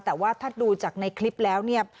แต่ว่าถ้าดูจากในคลิปแล้วเนี่ย